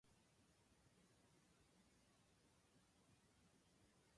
急に寒くなったので体調を崩しそうだ